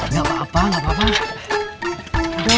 kamu menghadap saya sekarang